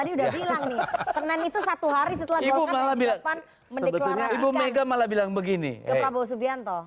di sini senin itu satu hari setelah golkarpan mendeklarasikan ke prabowo subianto